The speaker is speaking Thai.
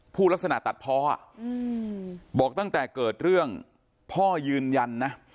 พูดลักษณะตัดพอบอกตั้งแต่เกิดเรื่องพ่อยืนยันนะ